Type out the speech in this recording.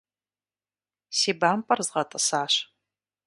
Си бампӀэр згъэтӀысащ.